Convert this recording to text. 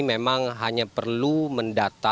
memang hanya perlu mendatang